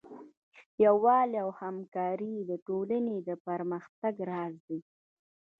یووالی او همکاري د ټولنې د پرمختګ راز دی.